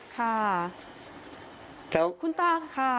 ค่ะคุณตาค่ะ